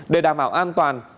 để đảm bảo an toàn